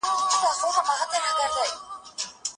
د پلار نصيحت مه هېروه.